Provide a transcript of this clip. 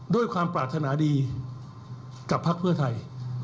โดยความปรารถนาดีกับพรรคเพื่อไทย